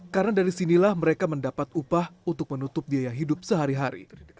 karena dari sinilah mereka mendapat upah untuk menutup biaya hidup sehari hari